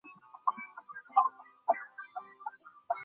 রাহুল আমি তার আসবো না।